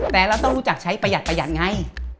แต่เราต้องรู้จักใช้ประหยัดไง